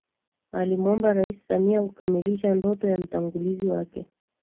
alimwomba Rais Samia kukamilisha ndoto ya mtangulizi wake